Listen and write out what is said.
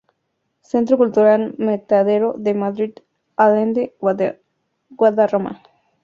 Centro Cultural Matadero de Madrid Allende Guadarrama.